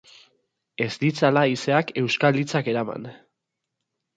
Ez ditzala haizeak euskal hitzak eraman.